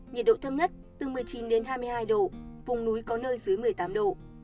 nhiệt độ thấp nhất từ một mươi chín đến hai mươi hai độ vùng núi có nơi dưới một mươi tám độ